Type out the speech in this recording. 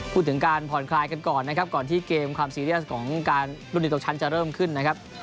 พูดถึงการผ่อนคลายกันก่อนนะครับก่อนที่เกมความซีเรียสของการรุ่นนี้ตกชั้นจะเริ่มขึ้นนะครับ